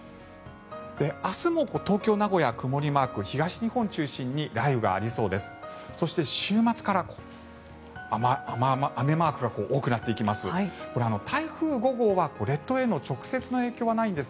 明日も東京、名古屋曇りマーク東日本を中心に雷雨がありそうです。